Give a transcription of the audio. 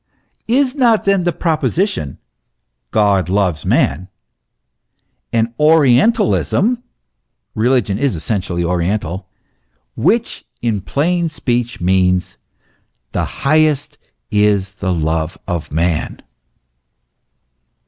Is not then the proposition, "God loves man" an orientalism (religion is essentially oriental), which in plain speech means, the highest is the love of man